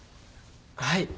はい。